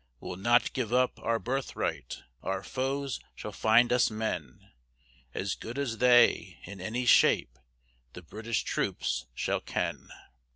We'll not give up our birthright, Our foes shall find us men; As good as they, in any shape, The British troops shall ken.